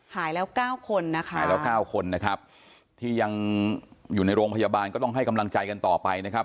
หายแล้ว๙คนนะคะหายแล้ว๙คนนะครับที่ยังอยู่ในโรงพยาบาลก็ต้องให้กำลังใจกันต่อไปนะครับ